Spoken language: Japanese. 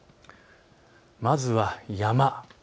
まずは山。